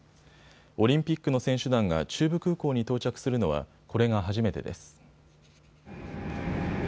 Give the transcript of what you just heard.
オリンピックの選手団が中部空港に到着するのはこれが初めてです。